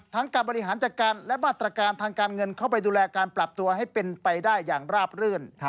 การบริหารจัดการและมาตรการทางการเงินเข้าไปดูแลการปรับตัวให้เป็นไปได้อย่างราบรื่น